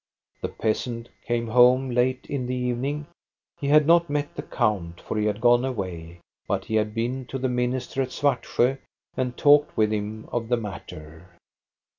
The peasant came home late in the evening ; he had not met the count, for he had gone away, but he had been to the minister at Svartsjo, and talked with him of the matter.